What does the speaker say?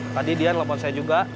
tadi dian telepon saya juga